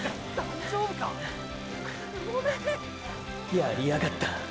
やりやがった。